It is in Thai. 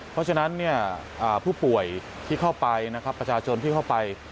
เพราะฉะนั้นผู้ป่วยที่เข้าไปนะครับประชาชนที่เข้าไป